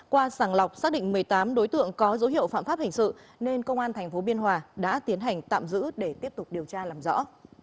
qua sàng lọc xác định một mươi tám đối tượng có dấu hiệu phạm pháp hình sự nên công an tp biên hòa đã tiến hành tạm giữ để tiếp tục điều tra làm rõ